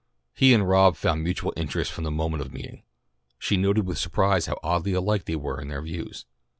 He and Rob found mutual interests from the moment of meeting. She noted with surprise how oddly alike they were in their views.